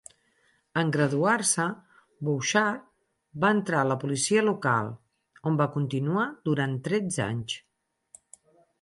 En graduar-se, Bouchard va entrar a la policia local, on va continuar durant tretze anys.